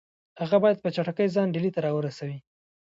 هغه باید په چټکۍ ځان ډهلي ته را ورسوي.